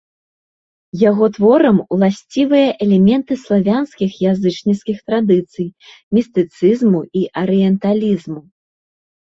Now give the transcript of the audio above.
Яго творам уласцівыя элементы славянскіх язычніцкіх традыцый, містыцызму і арыенталізму.